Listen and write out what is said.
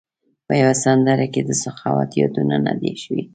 په یوه سندره کې د سخاوت یادونه نه ده شوې.